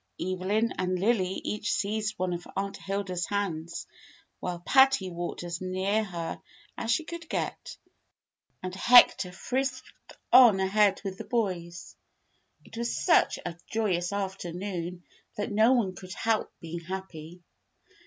Evelyn and Lily each seized one of Aunt Hilda's hands, while Patty walked as near her as she could get, and Hector frisked on THE BIRTHDAY DINNER 93 ahead with the boys. It was such a joyous afternoon that no one could help being happy.